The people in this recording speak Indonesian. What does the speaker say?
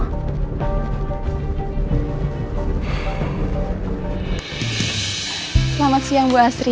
selamat siang bu asri